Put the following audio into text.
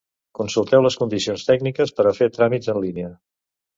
Consulteu les condicions tècniques per a fer tràmits en línia.